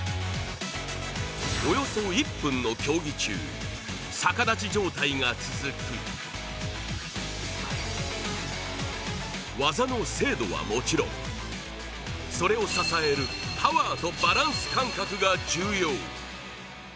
およそ１分の競技中、逆立ち状態が続き、技の精度はもちろん、それを支えるパワーとバランス感覚が重要。